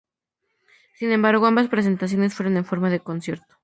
Sin embargo, ambas representaciones fueron en forma de concierto.